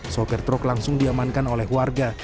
sopir truk langsung diamankan oleh warga